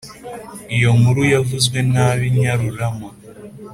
«iyo nkuru yavuzwe n'abi nyarurama